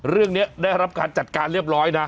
เรื่องนี้ได้รับการจัดการเรียบร้อยนะ